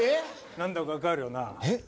何だか分かるよなえっ？